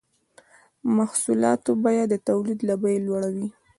د محصولاتو بیه د تولید له بیې لوړه وي